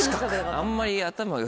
あんまり。